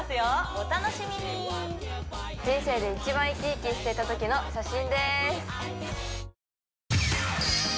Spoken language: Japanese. お楽しみに人生で一番イキイキしていたときの写真でーす